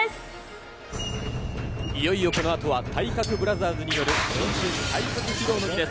いよいよこのあとは、体格ブラザーズによる、新春体格披露の儀です。